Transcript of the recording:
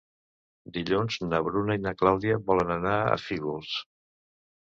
Dilluns na Bruna i na Clàudia volen anar a Fígols.